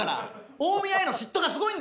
大宮への嫉妬がすごいんだよ。